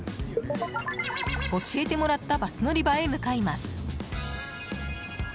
教えてもらったバス乗り場へ向かいます。